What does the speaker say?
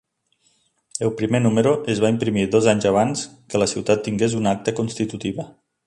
El primer número es va imprimir dos anys abans que la ciutat tingués una acta constitutiva.